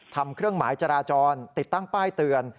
เครื่องหมายจราจรติดตั้งป้ายเตือน